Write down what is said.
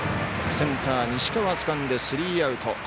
センター西川つかんでスリーアウト。